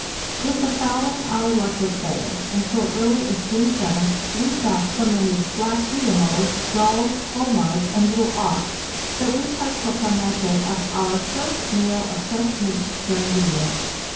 With the fowling our luck was better, and so early as June 7th we shot so many black guillemots, gulls, fulmars, and little auks that we partook on that day of our first meal of fresh meat during the year.